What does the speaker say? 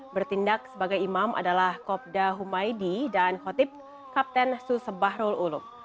bertindak sebagai imam adalah kobda humaydi dan khotib kapten susebahrul ulum